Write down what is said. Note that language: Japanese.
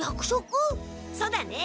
そうだね。